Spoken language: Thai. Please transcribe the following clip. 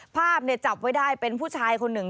ภาพจับไว้ได้เป็นผู้ชายคนหนึ่ง